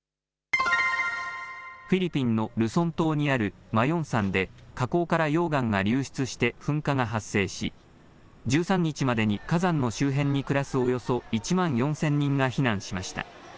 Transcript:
フィリピンのルソン島にあるマヨン山で、火口から溶岩が流出して噴火が発生し、１３日までに火山の周辺に暮らすおよそ１万４０００人が避難しました。